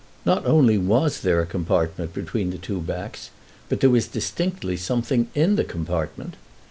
Not only was there a compartment between the two backs, but there was distinctly something in the compartment!